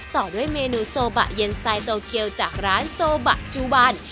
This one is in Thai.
ต่อด้วยเมนูโซบะเย็นสไตล์โตเกียวจากร้านโซบะจูบัน